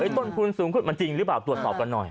ต้นทุนสูงขึ้นมันจริงหรือเปล่าตรวจสอบกันหน่อย